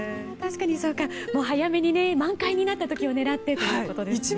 確かにもう早めに満開になった時を狙ってということですね。